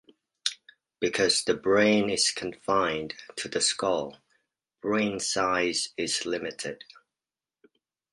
Because the brain is confined to the skull, brain size is limited.